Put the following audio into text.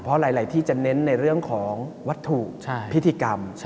เพราะหลายที่จะเน้นในเรื่องของวัตถุพิธีกรรม